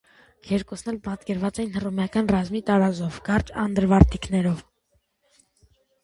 Երկուսն էլ պատկերված են հռոմեական ռազմի տարազով, կարճ անդրավարտիքներով։